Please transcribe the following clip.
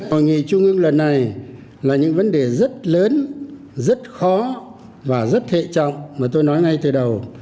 hội nghị trung ương lần này là những vấn đề rất lớn rất khó và rất hệ trọng mà tôi nói ngay từ đầu